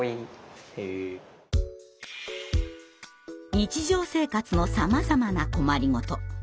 日常生活のさまざまな困り事。